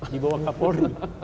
di bawah kapolri